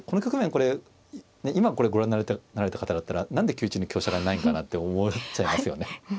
これ今これご覧になられた方だったら何で９一に香車がいないんかなって思っちゃいますよね。